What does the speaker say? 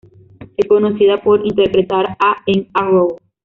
Es conocida por interpretar a en "Arrow".